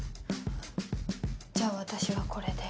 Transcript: じゃあ私はこれで。